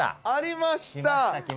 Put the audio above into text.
ありました。